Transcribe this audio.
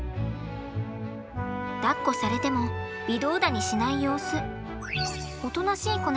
だっこされても微動だにしない様子。